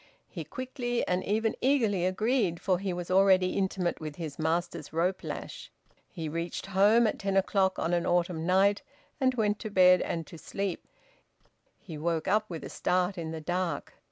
He quickly and even eagerly agreed, for he was already intimate with his master's rope lash. He reached home at ten o'clock on an autumn night, and went to bed and to sleep. He woke up with a start, in the dark.